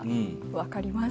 分かります。